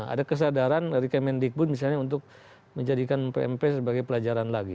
ada kesadaran dari kemendikbud misalnya untuk menjadikan pmp sebagai pelajaran lagi